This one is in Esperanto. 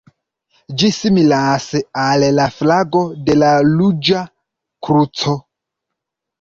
Ĝi similas al la flago de la Ruĝa Kruco.